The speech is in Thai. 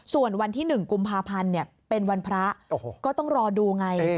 ส่วนวันที่๑กุมภาพันธ์เป็นวันพระก็ต้องรอดูไง